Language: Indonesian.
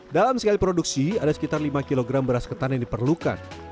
dalam sekali produksi ada sekitar lima kg beras ketan yang diperlukan